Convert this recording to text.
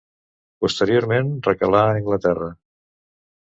Posteriorment recalà a Anglaterra.